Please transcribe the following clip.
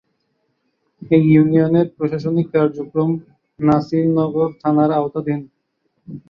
এ ইউনিয়নের প্রশাসনিক কার্যক্রম নাসিরনগর থানার আওতাধীন।